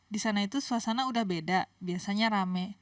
disana itu suasana udah beda biasanya rame